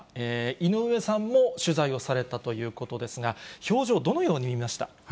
井上さんも取材をされたということですが、表情、どのように見ました？